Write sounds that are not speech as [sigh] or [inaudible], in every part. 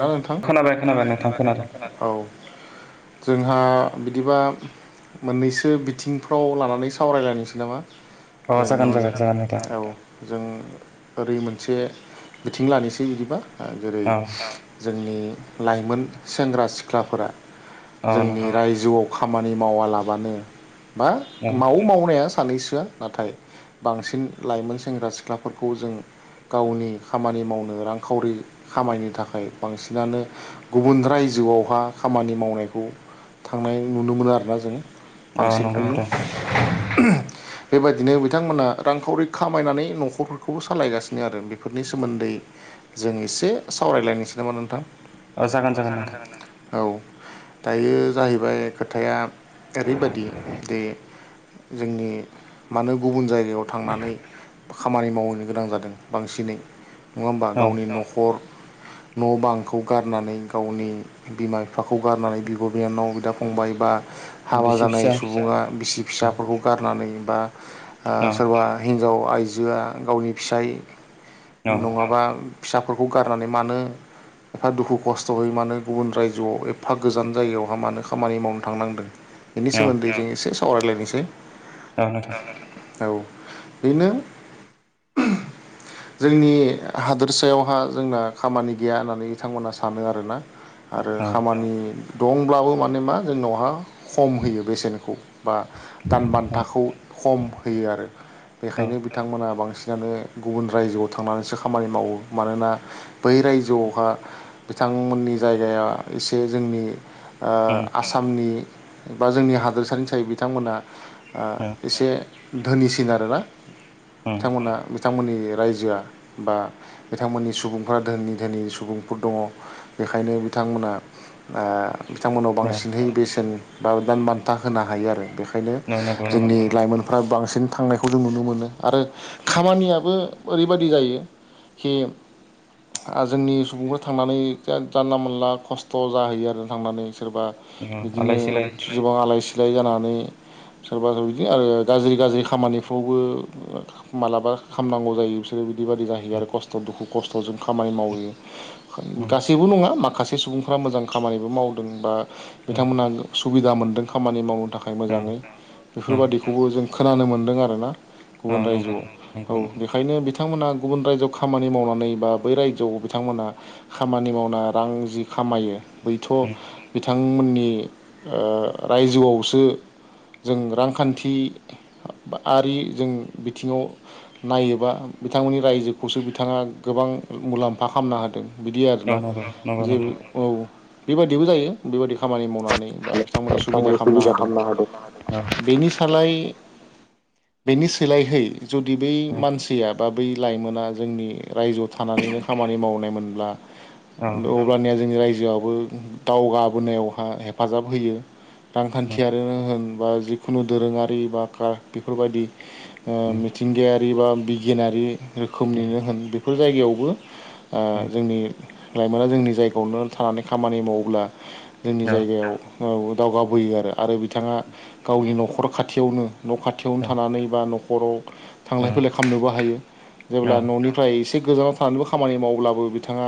ना नोंथां खोनाबाय खोनाबाय नोंथां खोनाय औ जोंहा बिदिबा मोननैसो बिथिंफ्राव लानानै सावरायलायनोसै नामा जों औ जों ओरैमोन मोनसे बिथिं लानोसै बिदिबा आं जेरै जोंनि लाइमोन सेंग्रा सिख्लाफोरा जोंनि रायजोआव खामानि मावालाबानो बा माव मावनाया सानैसोआ नाथाय बांसिन लाइमोन सेंग्रा सिख्लाफोरखौ जों गावनि खामानि मावनो रांखावरि खामायनो थाखाय बांसिनानो गुबुन रायजोआवहा खामानि मावनायखौ थांनाय नुनो मोनो आरोना जों। बांसिनखनि बेबायदिनो बिथांमोना रांखावरि खामायनानै न'खरफोरखौबो सालायगासिनो आरो बेफोरनि सोमोन्दै जों एसे सावरायलायनो सान जाबोना नोंथां औ जागोन जागोन नोंथां। औ दायो जाहैबाय खोथाया एरैबायाददि दे जोंनि मानो गुबुन जाय दैयाव थांनानै खामानि मावहैनो गोनां जादों बांसिनै नङा होमबा गावनि न'खर न' बांखौ गारनानै गावनि बिमा बिफाखौ गारनानै बिब' बिनानाव बिदा फंबाय बा हाबा जानाय सुबुङा बिसि फिसाफोरखौ गारनानै बा ओ सोरबा हि न्जाव आइजोआ गावनि फिसाय नङाबा फिसा फोरखौ गारनानै मानो एफा दुखु खस्थ'यै मानो गुबुन रायजोआव एफा गोजान जायगायावहााय मानो खामानि मावनो थांनांदों? बेनि सोमोनदै जों एसे सावरायलायनोसै [inaudible] औ बेनो [inaudible] जोंनि हादोरसायावहा जोंना खामानि गैया होननानै बिथांमोनहा सानो आरोना। आरो खामानि दंब्लाबो माने मा जोंनावहा खम होयो बेसेनखौ बा दान बान्थाखौ खम होयो आरो बेखायनो बिथांमोना बांसिन जानो गुबुन रायजोआव थांनानैसो खामानि मावो मानोना बै रायजोआवहा बिथांमोननि जायगाया एसे जोंनि ओ आसामनि बा जोंनि हादोरसानिसाय बिथांमोना ओ एसे धोनिसिन आरोना? बिथांमोना मोननि रायजोआ बा बिथांमोननि सुबुंफोरा धोनि धोनि सुबुंफोर दङ बेखायनो बिथांमोना ओ बिथांमोनाव बांसिनहै बेसेन बा दान बान्था होनो हायो आरो बे बेखायनो जोंनि लाइमोनफ्रा बांसिन थांनायखौ जों नुनो मोनो आरो खामानिया बो ओरैबायदि जायो खि जोंनि सुबुंफोर थांनानै जानला मोनला खस्थ' जाहैयो आरो थांनानै सोरबा बिदिनो गोबां आलाय सि सिलाय जानानै सोरबा सोरबा बिदिनो आरो गाज्रि गाज्रि खामानिफ्रावबो मालाबा खामनांगौ जायो बिसोरो बेबायदि गाहायो आरो खस्थ दु खस्थ'जों खामानि मावो गासैबो नङा माखासे बेसे सुबुंफ्रा मोजां खामानिबो मावदों बा बिथांमोना गौ सौ सुबिदा मोनदों खामानि माव थाखाय मोजाङै बेफोरबायदिखौबो जों खोनानो मोन्दों आरोना। औ नंगौ [unintelligible] औ बेखायनो बि बिथांमोना गुबुन रायजोआव खामानि मावनानै बा बै रायजोआव बिथांमोनहा खामानि मावना रां जि खामायो। बैथ' बिथां थांमोननि ओ रायजोआवसो जों रांखान्थि बा आरि जों बिथिङाव नायोबा बिथांमोननि रायजोखौसो बिथाङा गोबां मुलाम्फा खालामना होदों। बिदि आरोना जे औ बेबायदिबो जायो बेबायदिखौ खामानि मावनानै बा बिथांमोननि सुबिदा खालामनो हादों बेनि सालाय बेनि सोलायहै जुदि बै मानसिया बा बै लाइमोना जोंनि रायजोआव थानानैनो खामानि मावनायमोनब्ला अब्लानिया जोंनि रायजो जोआबो दावगाबोनायावहा हेफाजाब होयो। रांखान्थियारिनो होन। बा जिखुनु दोरोङारि बा का बेफोरबायदि। ओ मिथ इंदियारि बा बिगियानारि। रोखोमनिनो होन बेफोर जायगायावबो ओ जोंनि लाइमोना जोंनि जायगायावनो थानानै खामानि मावोब्ला जोंनि जायगायाव दाव दावगाबोयो आरो आरो बिथाङा गावनि न'खर खाथियावनो न' खाथियावनो थानानै बा न'। बर'। थांलाय फैलाय खालामनोबो हायो जेब्ला न'निफ्राय इस गोजानाव थानानैबो खामानि मावब्लाबो बिथाङा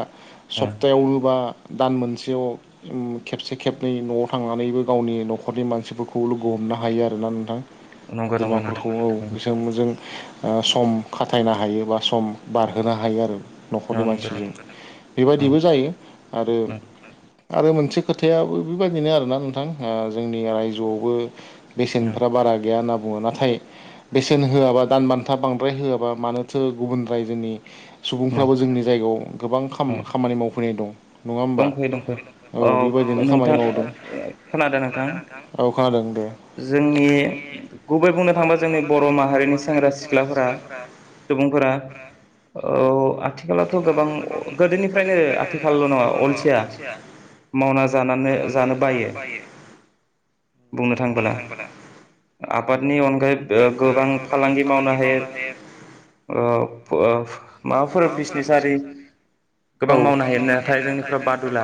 सप्तायाव रुबा दान मोनसेयाव ओम खेबसे खेबनै न'आव थांनानैबो गावनि न'खरनि मानसिफोरखौ लोगो हमनो हायो आरो ना नोंथां। बोरमाफोरखौ [unintelligible] सम खाथायनो हायो बा सम बारहोनो हायो आरो। न'खरनि मानसिजों बेबायदिबो जायो आरो। आरो मोनसे खोथायाबो बेबायदिनो आरोना नोंथां जोंनि रायजोआवबो बेसेनफ्रा बारा गैया ना बुङो नाथाय बेसेन होआबा दान बान्था बांद्राय होआबा मानोथो गुबुन रायजोनि सुबुंफ्राबो जोंनि जायगायाव गोबां खामा खामानि मावफैनाय दं। दंफैयो दंफैयो औ नोंथां ओ ओ खोनादों नोंथां जोंनि गुबै बुंनो थाङोबा जोंनि बर' माहारिनिस सेंग्रा सिख्लाफोरा सुबुंफोरा औ आथिखालावथ' गोबां गोदोनिफ्रायनो आथिखाल ल' नङा। अलसिया मावना जानानो जानो बायो बुंनो थाङोबोला आबादनि अनगायै ओ गोबां फालांगि मावनो हायो ओ फोब माबाफोर बिजनेस आरि गोबां मावनो हायो नाथाय जोंनि बादुला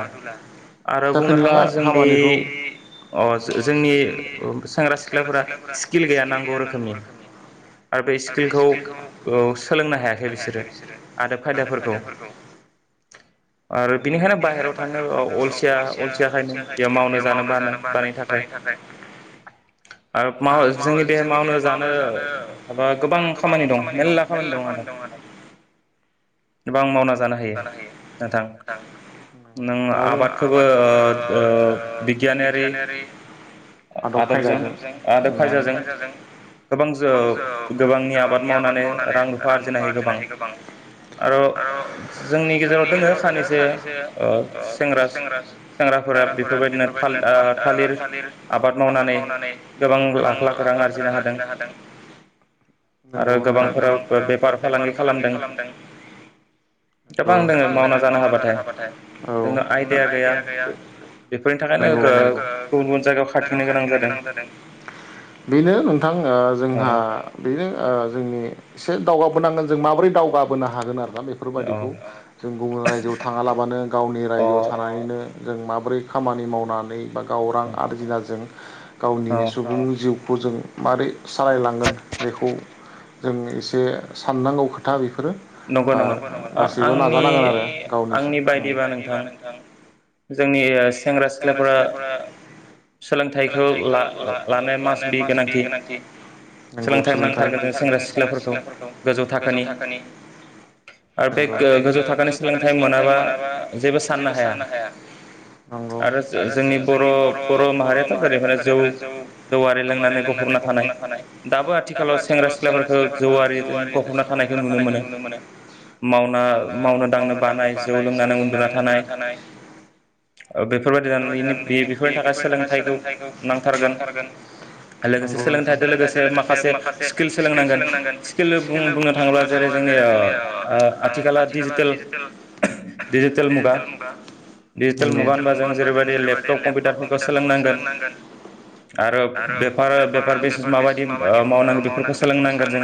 आरो बुंनो थाङोबा जोंनि अ जोंनि सेंग्रा सिख्लाफोरा स्किल गैया नांगौ रोखोमनि। बे स्किलखौ ओ सोलोंनो हायाखै बिसोरो आदब खायदाफोरखौ आरो बिनिखायनो बाहेराव थाङो ओ अलसिया अलसियाखायनो बेयाव मावनो जानो बानाय बानाय थाखाय आरो माव जोंनि बे मावनो जानो माबा नोंगौ आदब खायदाजों। गोबांनि आबाद मावनानै रां रुफा आरजिनो हायो गोबां आरो जोंनि गेजेराव दोङो खानैसो ओ सेंग्रास सेंग्राफोरा बेफोरबायदिनो थाल ओ थालिर आबाद मावनानै गोबां लाख लाख रां आरजिनो हादों। नंगौ नोंथां। औ औ। नंगौ नंगौ बेनो नोंथां ओ जोंहा ओ जोंनि एसे दावगाबोनांगोन जों माबोरै दावगाबोनो हागोन आरो। दा बेफोरबायदिखौ जों गुबुन रायजोआव थाङालाबानो गावनि रायजोआव थानानैनो जों माबोरै खामानि मावनानै बा औ रां आरजिना जों गावनि सुबुंनि जिउ खौ जों मारै सालायलांगोन? बेखौ जों एसे साननांगौ खोथा बेखौ बा गासैबो नाजानांगोन आरो गावनि जि। नंगौ सोलोंथाइ नंगौ नंगौ दाबो आथिखालाव सेंग्रा सिख्लाफोरखो जौआरिजों गफबना थानायखौ नुनो मोनो। मावनो मावनो दांनो बानाय जौ लोंनानै उन्दुना थानाय बेफोरबायदिानायनि बे बेफोरनि थाखाय सोलोंथाइखौ नांथारगोन लोगोसे सोलोंथाइजों लोगोसे माखा माखासे स्किल सोलोंनांगोन स्किल बुं-बुंनो थाङोब्ला जेरै जोंनि आ आथिखाला डिजिटेल डिजिटेल मुगा डिजिटेल मुगा होनबा जों जेरैबादि लेपतप कम्पिउटार फोरखौ सोलोंनांगोन आरो बेफार बेफार [unintelligible] माबायदि ओ मावनांगौ बेफोरखौ सोलोंनांगोन जों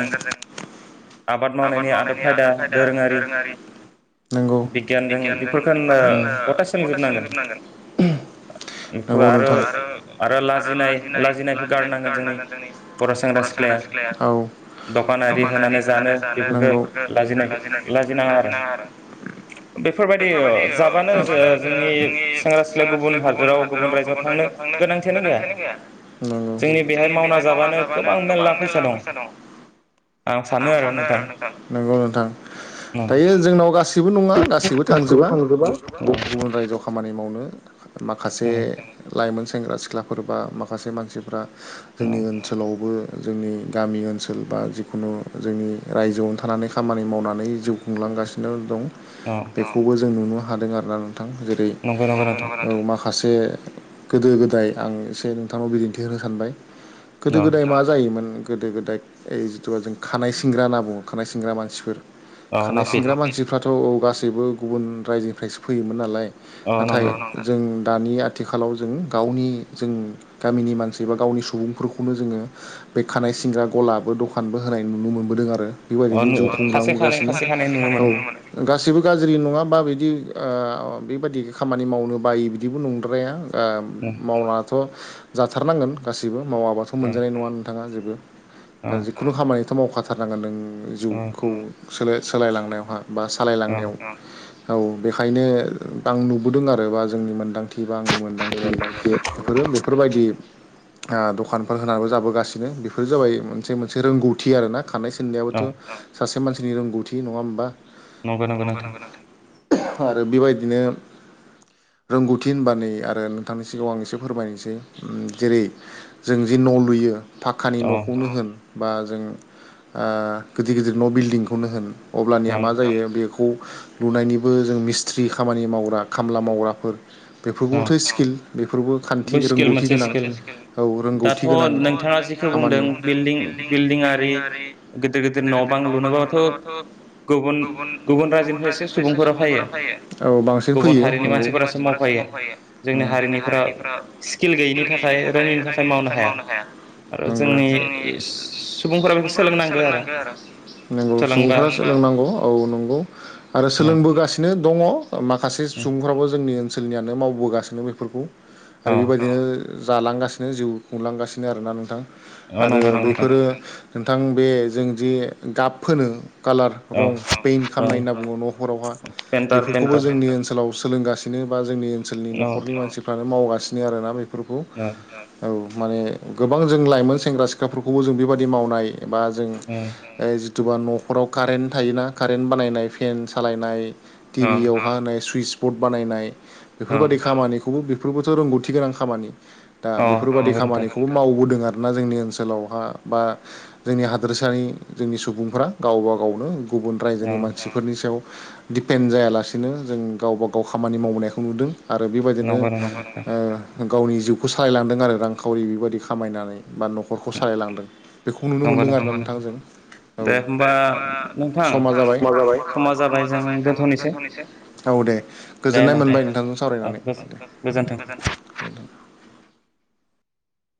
आबाद मावनायनि आदब उम नंगौ नोंथां सेंग्रा सिख्लाया दखानारि होनानै जानो बेफोरखो लाजि लाजिनाङा आरो बेफोरबायदि जाबानो जो-जोंनि सेंग्रा सिख्ला गुबुन हादोराव गुबुन रायजोआव थांनो गोनांथियानो गैया जोंनि बेहाय मावना जाबानो नों दायो जोंनाव गासैबो नङा गासैबो थांजोबा गुबुन रायजोआव खामानि मावनो माखासे लाइमोन सेंग्रा सिख्लाफोर बा माखासे मानसिफ्रा जोंनि उन बो जोंनि गामि ओनसोल बा जिखुनु जोंनि रायजोआवनो थानानै खामानि मावनानै जिउ खुंलांगासिनो दं। बेखौबो जों नुनो हादों आरोना नों थां जेरै औ माखा से गोदो गोदाय आं एसे नोंथांनाव बिदिन्थि होनो सानबाय गोदो गोदाय मा जायोमोन? गोदो गोदाय ओइ जिथुबा जों खानाय सिनग्रा होनना बुङो खानाय सिनग्रा मानसिफोर खानाय सिनग्रा मानसिफ्राथ' औ औ गासैबो गुबुन रायजोनिफ्रायसो फैयोमोन नालाय नाथाय जों दानि आथिखालाव जों गावनि जों गामिनि मानसि बा गावनि सुबुंफोर खौनो जोङो बे खानाय सिनग्रा गलाबो दखानबो होनाय नुनो मोनबोदों आरो बेबायदिनो जिउ खुंलांबोगासिनो औ गाससिबो गाज्रि नङा बा बिदि ओ बेबायदि खामानि मावनो बायो बिदिबो नंद्राया। ओ मावनाथ' जा थारनांगोन गासिबो मावा मोनजानाय नङा नोंथाङा जेबो दा जिखुनु खामानिथ' मावखा थारनांगोन नों जिउखौ सोलाय सोलायलांनायावहा बा सालायलांनायाव औ बेखायनो आं नुबोदों आरो बा जोंनि मोनदां थि बा आंनि मोनदांथि बेफोरो बेफोरबायदि आ दखान होनाबो जाबोगासिनो। बेफोर जाबाय मोनसे मोनसे रोंगौथि आरो ना खानाय सि नायाबोथ' सासे मानसिनि रोंगौथि नङा होमबा? नंगो नंगो नोंथां। आरो बेबायदिनो रोंगौथि होनबा नै आरो नोंथांनि सिगाङाव आं एसे फोरमायनोसै ओम जेरै जों जि न' लुयो। फाक्कानि न'खौनो होन बा जों ओ गिदिर गिदिर न' बिल्डिंखौनो होन अब्लानिया मा जायो बेखौ लुनायनिबो जों मिस्थ्रि खामानि मावग्रा खामला मावग्राफोर बेफोरखौथ' स्किल बेफोरबो खान्थि रोंगौथि गोनां औ गौथि गोनां खामानि औ नोंथांङाथ बुंदों बिलदिं आरि गिदिर गिदिर लुनोबाथ गुन रायजोनि मानसियासो फेयो। औ गुबुन हारिनिसो फैयो। जोंनि हारिनिफोरा स्किल गैयिनि थाखाय रोङैनि थाखाय मा थाखाय मावनोहाया नंगौ जोंनि सुबुंफोरा सोलोंनंगो आरो। नंगौ सुबुंफोरा सोलों ओ नांगौ आरो सोलोंगसिनो दंङ माखासे सुबुंफोरा जोंनियानो मावबोगासिनो बेफोरखौ आरो बेबायदिनो जालांगासिनो जिउ खुंलांगासिनो आरो ना नोंथां आरो बैफोरो नोंथां बे जों जि गाब फोनो। कालार रं पेइन्ट खालामनाय होनना बुङो न'फोररावहा बेफोरखौबो जोंनि ओनसोलाव सोलोंगासिनो [unintelligible] जोंनि ओनसोलनि न'खरनि मानसिफ्रानो मावगासिनो। गासिनो आरोना बे [unintelligible] औ माने गोबां जों लाइमोन सेंग्रा सिख्लाफोरखौबो जों बेबायदि मावनाय एबा जों सोरबा न'खराव कारेन्ट थायोना कारेन्ट बानायनाय फेन सालायनाय टिभियाव मा होनो सुइस बट बानायनाय बेफोरबायदि खामानिखौबो बेफोरबोथ' रोंगौथि गोनां खामानि अ खामानिखौ माव गबोदों आरोना जोंनि ओनसोलावहा बा जोंनि हादोरसानि जोंनि सुबुंफोरा गावबा गावनो गुबुन रायजोनि मानसिफोरनि सायाव दिपेन्ड जायालासिनो जों गावबा गाव खामानि मावनायखौ नुदों। आरो बेबायदिनो ओ गावनि जिउखौ सालायलांदों आरो रांखावरि बेबायदि खामायनानै बा न'खरखौ सालायलांदों बेखौ नुनो मोनदों आरोना नोंथां जों औ दे होनबा समा जाबाय औ दे गोजोननाय मोनबाय नोंथांजों सावरायनानै।